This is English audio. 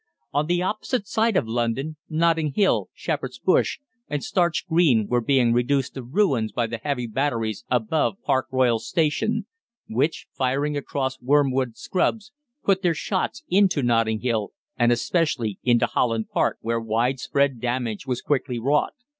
On the opposite side of London, Notting Hill, Shepherd's Bush, and Starch Green, were being reduced to ruins by the heavy batteries above Park Royal Station, which, firing across Wormwood Scrubs, put their shots into Notting Hill, and especially into Holland Park, where widespread damage was quickly wrought.